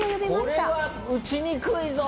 これは打ちにくいぞ！